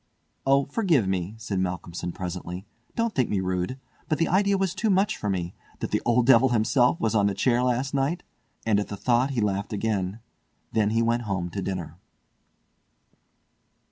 "Oh, forgive me!" said Malcolmson presently. "Don't think me rude; but the idea was too much for me—that the old devil himself was on the chair last night!" And at the thought he laughed again. Then he went home to dinner.